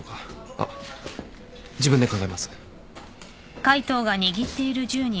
あっ自分で考えます。